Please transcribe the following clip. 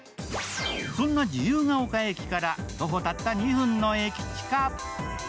そんな自由が丘駅から徒歩たった２分の駅近。